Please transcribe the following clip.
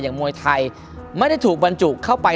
มวยไทยไม่ได้ถูกบรรจุเข้าไป